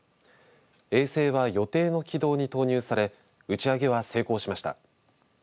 衛星は予定の軌道に投入され打ち上げは成功しました。